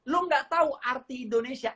lu nggak tahu arti indonesia